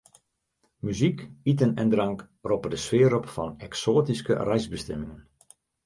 Muzyk, iten en drank roppe de sfear op fan eksoatyske reisbestimmingen.